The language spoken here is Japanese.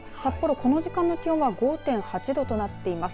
この時間の気温は５．８度となっています。